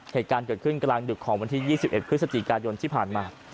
เหตุการณ์เกิดขึ้นกลางดึกของวันที่๒๑พฤศจิกายนที่ผ่านมา